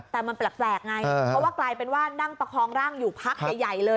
แต่มันแปลกไงเพราะว่ากลายเป็นว่านั่งประคองร่างอยู่พักใหญ่เลย